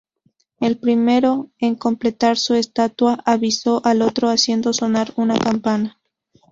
El primero en completar su estatua avisó al otro haciendo sonar una campana.